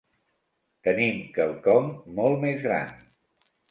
Tenim quelcom molt més gran.